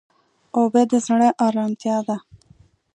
اوبه د زړه ارامتیا ده.